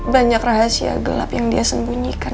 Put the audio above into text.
banyak rahasia gelap yang dia sembunyikan